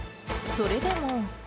それでも。